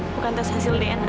bukan tes hasil dna